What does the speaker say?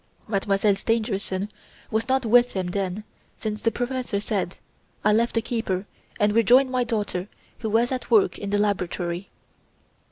Mademoiselle Stangerson was not with him then since the professor said: 'I left the keeper and rejoined my daughter who was at work in the laboratory.